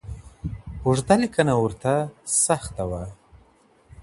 اوږده لیکنه ورته سخته وه.